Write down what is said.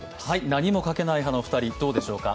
何もかけない派の２人、どうでしょうか。